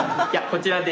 こちらで。